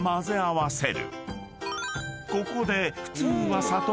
［ここで］